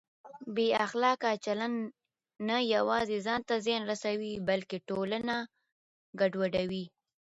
بې اخلاقه چلند نه یوازې ځان ته زیان رسوي بلکه ټولنه ګډوډوي.